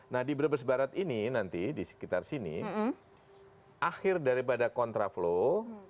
nah di brebes barat ini nanti disekitar sini akhir daripada contra flow